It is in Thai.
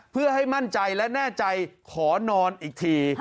เพื่อให้มั่นใจและแน่ใจขอนอนอีกที